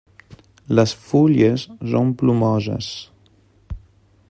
Les fulles són plomoses.